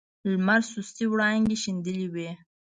لمر سستې وړانګې شیندلې وې.